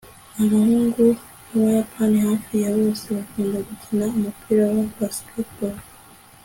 abahungu b'abayapani hafi ya bose bakunda gukina umupira wa baseball